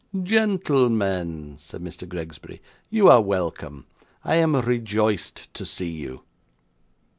'Gentlemen,' said Mr. Gregsbury, 'you are welcome. I am rejoiced to see you.